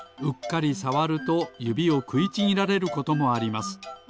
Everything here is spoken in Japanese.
うっかりさわるとゆびをくいちぎられることもあります。